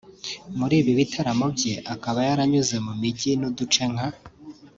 muri ibi bitaramo bye akaba yaranyuze mu mijyi n’uduce nka